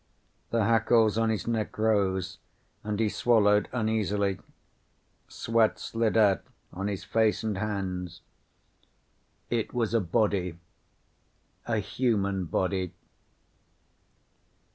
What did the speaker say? The hackles on his neck rose and he swallowed uneasily. Sweat slid out on his face and hands. It was a body. A human body.